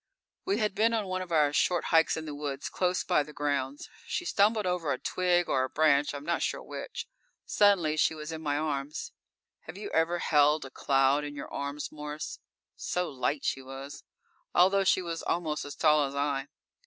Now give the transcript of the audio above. _ _We had been on one of our short hikes in the woods close by the grounds. She stumbled over a twig or a branch, I'm not sure which. Suddenly she was in my arms. Have you ever held a cloud in your arms, Morris? So light she was, although she was almost as tall as I.